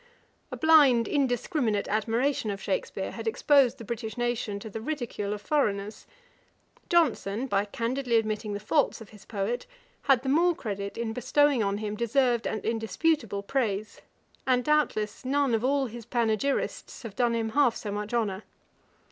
A blind indiscriminate admiration of Shakspeare had exposed the British nation to the ridicule of foreigners. Johnson, by candidly admitting the faults of his poet, had the more credit in bestowing on him deserved and indisputable praise; and doubtless none of all his panegyrists have done him half so much honour.